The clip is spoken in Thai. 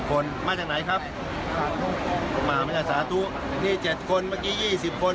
คนมาจากไหนครับมาที่สาตุนี่เจ็ดคนเมื่อกี้ยี่สิบคน